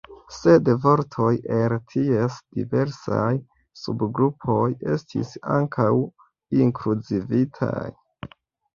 Sed vortoj el ties diversaj subgrupoj estis ankaŭ inkluzivitaj.